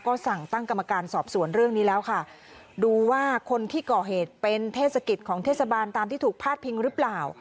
ก็สั่งตั้งกรรมการสอบสวนเรื่องนี้แล้วค่ะดูว่าคนที่ก่อเหตุเป็นเทศกิจของเทศบาลตามที่ถูกพาดพิงหรือเปล่า